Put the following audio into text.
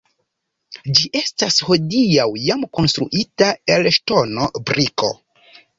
Ĝi estas hodiaŭ jam konstruita el ŝtono, briko.